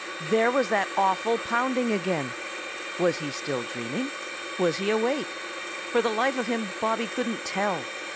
There was that awful pounding again! Was he still dreaming? Was he awake? For the life of him Bobby couldn't tell.